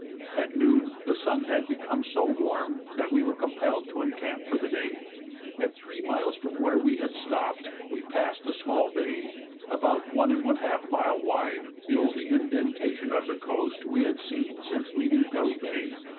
At noon the sun had become so warm, that we were compelled to encamp for the day. At three miles from where we had stopped, we passed a small bay, about 1½ mile wide, the only indentation of the coast we had seen since leaving Pelly Bay.